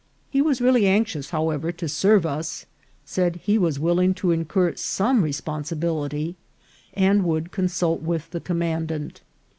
He was really anxious, however, to serve us, said he was willing to incur some responsibility, and would consult with the commandant.